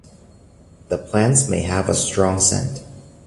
The plants may have a strong scent.